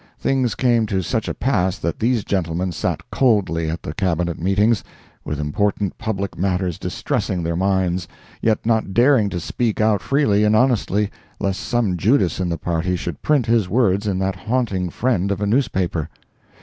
Things came to such a pass that these gentlemen sat coldly at the Cabinet meetings, with important public matters distressing their minds, yet not daring to speak out freely and honestly, lest some Judas in the party should print his words in that haunting friend of a newspaper.